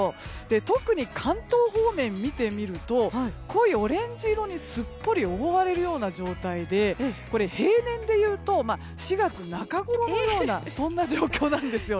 特に関東方面を見ると濃いオレンジ色にすっぽり覆われるような状態で平年でいうと４月中ごろのような状況なんですよね。